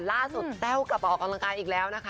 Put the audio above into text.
แต้วกลับมาออกกำลังกายอีกแล้วนะคะ